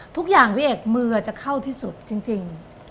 ทุกอย่างพี่เอกมือจะเข้าที่สุดจริง